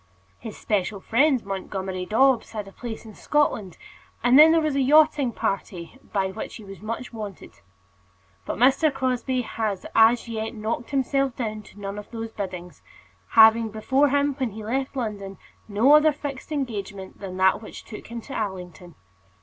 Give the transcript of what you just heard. His special friend Montgomerie Dobbs had a place in Scotland, and then there was a yachting party by which he was much wanted. But Mr. Crosbie had as yet knocked himself down to none of these biddings, having before him when he left London no other fixed engagement than that which took him to Allington.